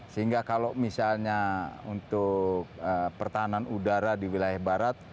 sehingga kalau misalnya untuk pertahanan udara di wilayah barat